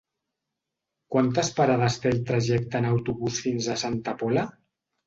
Quantes parades té el trajecte en autobús fins a Santa Pola?